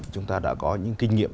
chúng ta đã có những kinh nghiệm